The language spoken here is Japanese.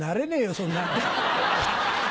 そんなの。